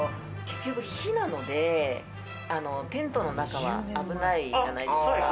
結局火なので、テントの中は危ないじゃないですか。